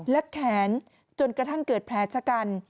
และแขนจนกระทั่งเกิดแผลชะกัน